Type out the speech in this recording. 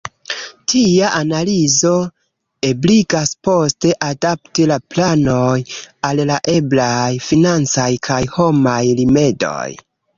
Tia analizo ebligas poste adapti la planojn al la eblaj financaj kaj homaj rimedoj.